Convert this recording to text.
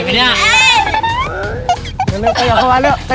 ฝ่ายเข้ามา